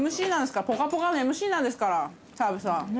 『ぽかぽか』のＭＣなんですから澤部さん。